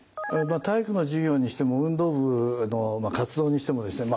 体育の授業にしても運動部の活動にしてもですね